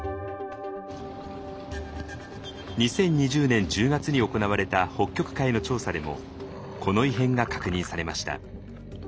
２０２０年１０月に行われた北極海の調査でもこの異変が確認されました。